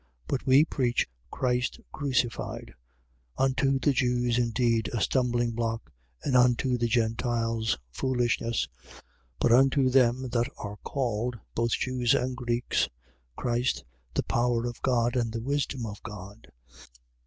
1:23. But we preach Christ crucified: unto the Jews indeed a stumblingblock, and unto the Gentiles foolishness: 1:24. But unto them that are called, both Jews and Greeks, Christ, the power of God and the wisdom of God.